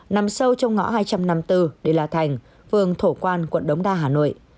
nằm sâu trong ngõ hai trăm năm mươi bốn địa lào thành vườn thổ quan quận đống đa hà nội